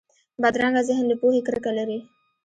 بدرنګه ذهن له پوهې کرکه لري